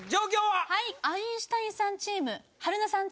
はいアインシュタインさんチーム春菜さん